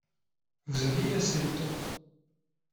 Vous aviez assez de temps.